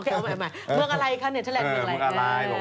โอเคะเอาใหม่เรื่องอะไรเวลาครับ